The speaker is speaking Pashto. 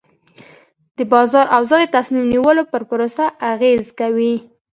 د بازار اوضاع د تصمیم نیولو پر پروسه اغېز کوي.